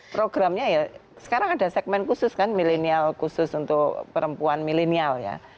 programnya ya sekarang ada segmen khusus kan milenial khusus untuk perempuan milenial ya